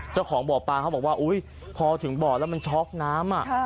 เจ้าของบ่อปลาเขาบอกว่าอุ๊ยพอถึงบ่อแล้วมันช็อกน้ำ